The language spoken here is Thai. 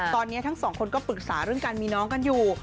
ตอนนี้ทั้งสองคนก็ปรึกษาเรื่องการมีน้องกันอยู่